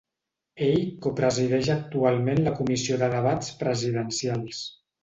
Ell copresideix actualment la Comissió de debats presidencials.